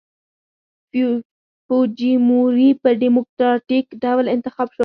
فوجیموري په ډیموکراټیک ډول انتخاب شو.